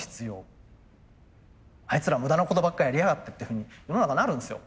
「あいつら無駄なことばっかやりやがって」っていうふうに世の中なるんですよ。